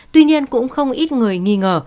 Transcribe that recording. tuy nhiên cũng không ít người nghi ngờ